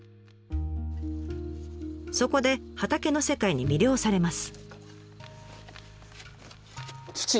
そこで畑の世界に魅了されます。